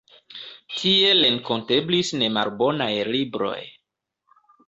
Tie renkonteblis nemalbonaj libroj.